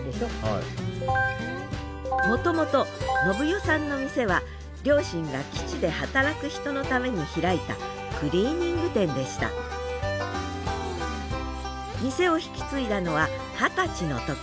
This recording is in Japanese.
もともと伸代さんの店は両親が基地で働く人のために開いたクリーニング店でした店を引き継いだのは二十歳の時。